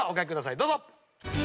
どうぞ。